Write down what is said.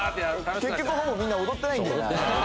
結局ほぼみんな踊ってないんだよね。